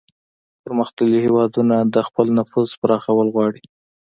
پرمختللي هیوادونه د خپل نفوذ پراخول غواړي